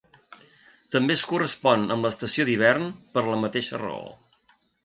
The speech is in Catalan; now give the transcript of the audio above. També es correspon amb l'estació de l'hivern per la mateixa raó.